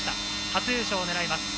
初優勝を狙います。